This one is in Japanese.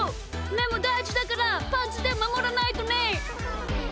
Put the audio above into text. めもだいじだからパンツでまもらないとね！